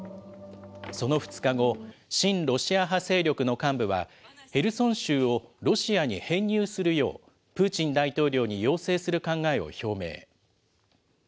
その２日後、親ロシア派勢力の幹部は、ヘルソン州をロシアに編入するよう、プーチン大統領に要請する考えを表明。